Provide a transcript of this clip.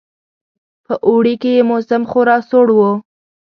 په اوړي کې یې موسم خورا سوړ وو.